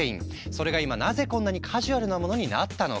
それが今なぜこんなにカジュアルなものになったのか？